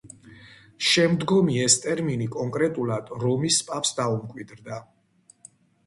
შემდგომი ეს ტერმინი კონკრეტულად რომის პაპს დაუმკვიდრდა.